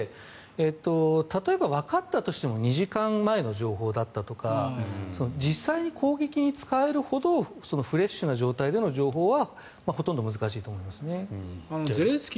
例えばわかったとしても２時間前の情報だったとか実際に攻撃に使えるほどフレッシュな状態での情報はほとんど難しいと思いますね。